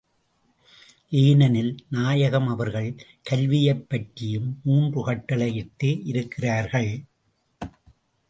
ஏனெனில், நாயகம் அவர்கள் கல்வியைப் பற்றியும் மூன்று கட்டளையிட்டு இருக்கிறார்கள்.